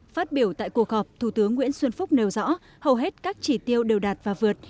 phát biểu tại cuộc họp thủ tướng nguyễn xuân phúc nêu rõ hầu hết các chỉ tiêu đều đạt và vượt